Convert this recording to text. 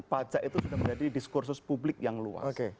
pajak itu sudah menjadi diskursus publik yang luas